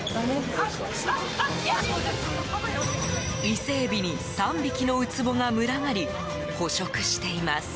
イセエビに３匹のウツボが群がり捕食しています。